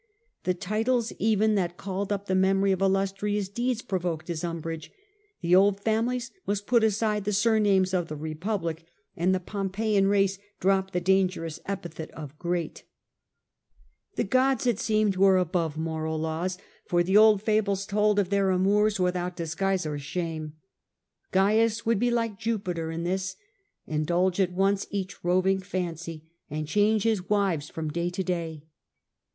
The titles even that called up the memory of illustrious deeds provoked his umbrage; the old families must put aside the sur names of the Republic, and the Pompeian race drop the dangerous epithet of ' Great' The gods, it seemed, were above moral laws, for the 76 The Earlier Empire. a . d . 37 4 old fables told of their amours without disguise or Thought shame. Caius would be like Jupiter in this: rai^iLove ij^dulge at once each roving fancy and moral laws, change his wives from day to day.